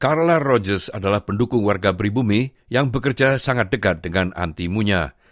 carla rogers adalah pendukung warga pribumi yang bekerja sangat dekat dengan anti munya